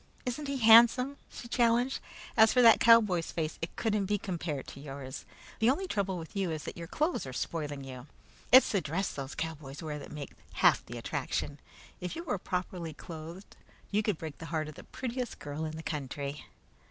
Isn't he handsome?" she challenged. "As for that cowboy's face, it couldn't be compared with yours. The only trouble with you is that your clothes are spoiling you. It's the dress those cowboys wear that makes half their attraction. If you were properly clothed, you could break the heart of the prettiest girl in the country."